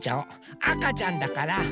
あかちゃんだからあかね。